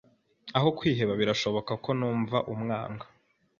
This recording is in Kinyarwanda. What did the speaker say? Aho kwiheba, birashoboka ko numva umwanga.